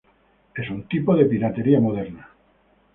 Es un tipo de piratería moderna.